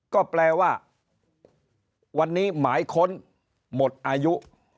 ก็แปลว่าวันนี้หมายค้นหมดอายุ